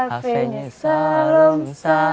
hafen yusalam alehim